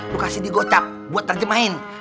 lu kasih di gocap buat terjemahin